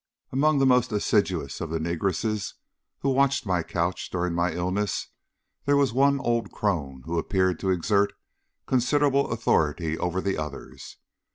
Among the most assiduous of the negresses who had watched my couch during my illness there was one old crone who appeared to exert considerable authority over the others.